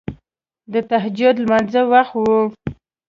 د تهجد لمانځه وخت وو.